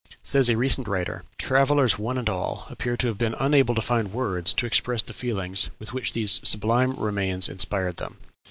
Says a recent writer, "Travellers one and all appear to have been unable to find words to express the feelings with which these sublime remains inspired them.